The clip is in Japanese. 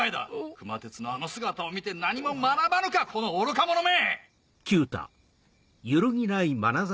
熊徹のあの姿を見て何も学ばぬかこの愚か者め！